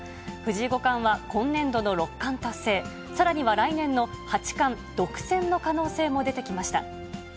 藤井五冠は今年度の四冠達成、さらには来年の八冠独占の可能性も出てきました。